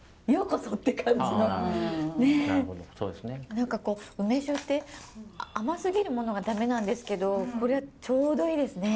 何か梅酒って甘すぎるものが駄目なんですけどこれはちょうどいいですね！